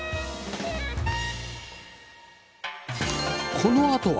このあとは